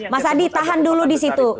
mas adi tahan dulu di situ